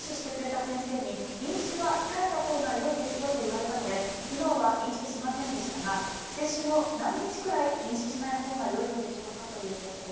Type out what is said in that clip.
飲酒は控えたほうがよいですよと言われたので昨日は飲酒しませんでしたが接種後何日くらい飲酒しないほうがいいんでしょうかということです。